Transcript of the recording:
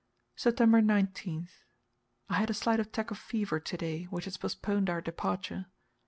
September 19th. I had a slight attack of fever to day, which has postponed our departure.